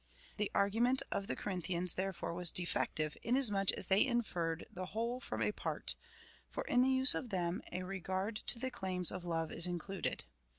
The argument of the Corinthians, therefore, was defective, inasmuch as they inferred the whole from a part, for in the use of them a regard to the claims of love is included.